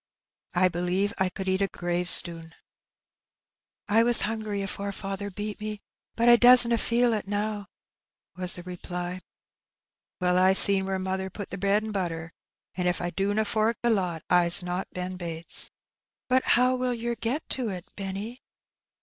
I believe I could eat a gravestnn." "I was hungry afore faather beat me, but I doesna feel ib now," was tiie reply. Hbb Beknt. "Well, I seen where mother pat the hread mi' butter, and if I dutma fork the lot, I'b not Ben Bates." "Bat how will yer get to it, Benny?"